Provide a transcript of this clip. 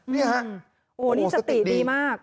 นี่สติดีมาก